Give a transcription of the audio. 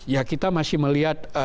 ya kita masih melihat